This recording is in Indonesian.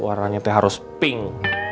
warnanya harus pink